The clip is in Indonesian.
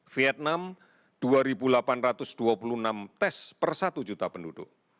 vietnam dua delapan ratus dua puluh enam tes per satu juta penduduk